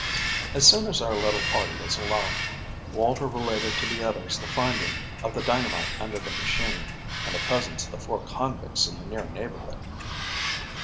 As soon as our little party was alone, Walter related to the others the finding of the dynamite under the machine, and the presence of the four convicts in the near neighborhood.